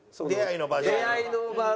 出会いの場所。